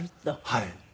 はい。